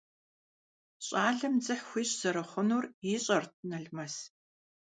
ЩӀалэм дзыхь хуищӀ зэрыхъунур ищӀэрт Налмэс.